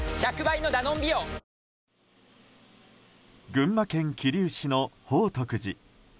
群馬県桐生市の宝徳寺。